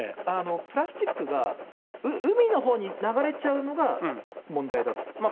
プラスチックが、海のほうに流れちゃうのが問題だと。